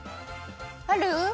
ある？